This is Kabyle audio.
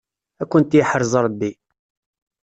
Ad kent-yeḥrez Ṛebbi.